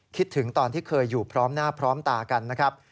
คิดถึงตอนที่เคยอยู่พร้อมหน้าพร้อมตากันนะครับ